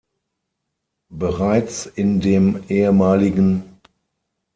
Bereits in dem ehem.